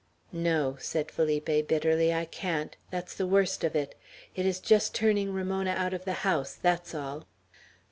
"No," said Felipe, bitterly. "I can't, that's the worst of it. It is just turning Ramona out of the house, that's all."